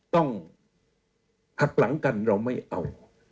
ต้องหักหลังกันเราไม่เอา